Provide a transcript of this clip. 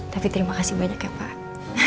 tapi terima kasih banyak ya pak